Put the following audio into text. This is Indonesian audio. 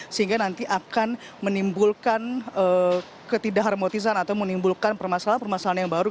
sehingga nanti akan menimbulkan ketidakharmotisan atau menimbulkan permasalahan permasalahan yang baru